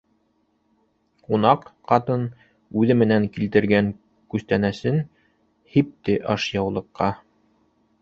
Ҡунаҡ ҡатын үҙе менән килтергән күстәнәсен һипте ашъяулыҡҡа: